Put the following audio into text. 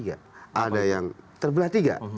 ada yang terbelah tiga